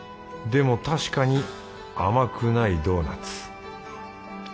でも確かに甘くないドーナツ。